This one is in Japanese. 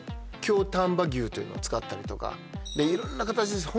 京丹波牛というのを使ったりとか色んな形です